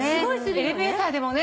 エレベーターでもね。